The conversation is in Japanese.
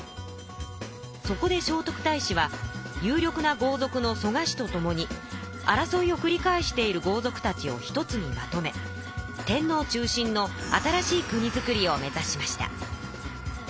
そこで聖徳太子は有力な豪族の蘇我氏とともに争いをくり返している豪族たちを一つにまとめを目指しました。